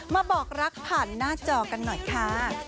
บอกรักผ่านหน้าจอกันหน่อยค่ะ